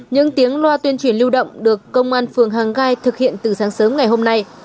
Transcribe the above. những tiếng loa tuyên truyền lưu động được công an phường hàng gai thực hiện từ sáng sớm ngày hôm nay